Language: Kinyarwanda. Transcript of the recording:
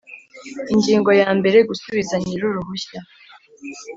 Ingingo ya mbere Gusubiza nyir uruhushya